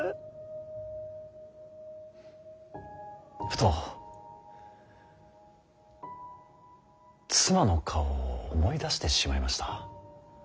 ふと妻の顔を思い出してしまいました。